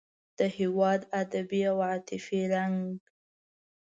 د هېواد ادبي او عاطفي رنګ.